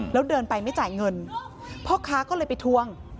แล้วเดินไปไม่จ่ายเงินพ่อค้าก็เลยไปทวง